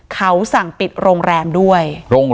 เขาสั่งปิดโรงแรมด้วย